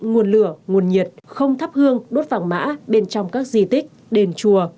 nguồn lửa nguồn nhiệt không thắp hương đốt vàng mã bên trong các di tích đền chùa